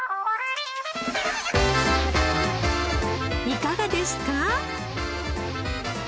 いかがですか？